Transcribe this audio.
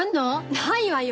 ないわよ！